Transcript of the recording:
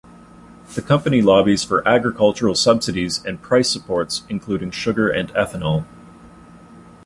The company lobbies for agricultural subsidies and price supports including sugar and ethanol.